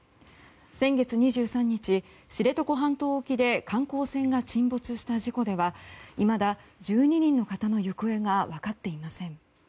先月２３日、知床半島沖で観光船が沈没した事故ではいまだ１２人の方の行方が分かっていません。